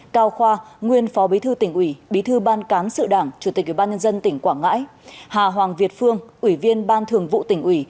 cao khoa nguyên phó bí thư tỉnh ủy bí thư ban cán sự đảng chủ tịch ủy ban nhân dân tỉnh quảng ngãi hà hoàng việt phương ủy viên ban thường vụ tỉnh ủy